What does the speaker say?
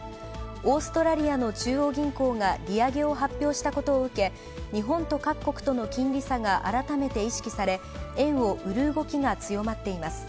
オーストラリアの中央銀行が利上げを発表したことを受け、日本と各国との金利差が改めて意識され、円を売る動きが強まっています。